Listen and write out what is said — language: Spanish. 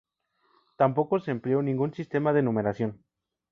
Tampoco se empleó ningún sistema de numeración.